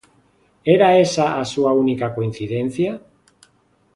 Era esa a súa única coincidencia?